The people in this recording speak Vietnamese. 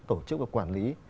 tổ chức và quản lý